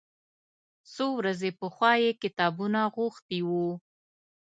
څو ورځې پخوا یې کتابونه غوښتي و.